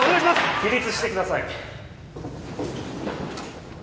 起立してください。